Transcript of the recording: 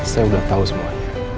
saya udah tau semuanya